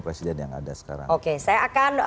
presiden yang ada sekarang oke saya akan